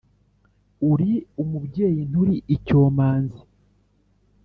uli umubyeyi ntuli icyomanzi